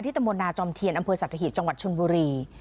ที่ตมนาจอมเทียนอำเภอสัตวิทย์จังหวัดชุนบุรี